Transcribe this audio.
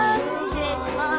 失礼します。